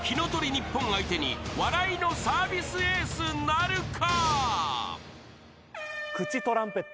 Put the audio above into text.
ＮＩＰＰＯＮ相手に笑いのサービスエースなるか？］